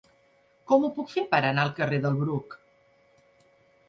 Com ho puc fer per anar al carrer del Bruc?